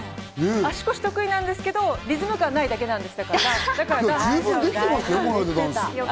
足腰得意なんですけど、リズム感ないだけなんです。